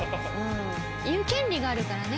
言う権利があるからね